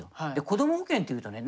こども保険っていうとね